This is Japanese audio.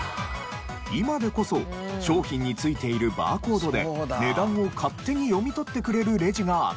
今でこそ商品についているバーコードで値段を勝手に読み取ってくれるレジが当たり前ですが。